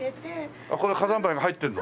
これ火山灰が入ってるの？